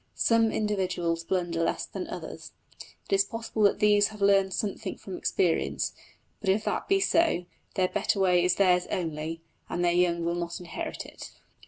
Some individuals blunder less than others; it is possible that these have learned something from experience; but if that be so, their better way is theirs only, and their young will not inherit it.